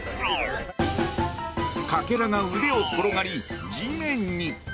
かけらが腕を転がり地面に。